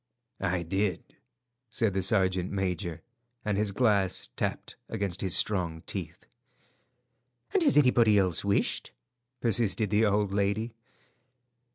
"I did," said the sergeant major, and his glass tapped against his strong teeth. "And has anybody else wished?" persisted the old lady.